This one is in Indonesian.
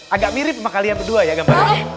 agak mirip sama kalian berdua ya gambarnya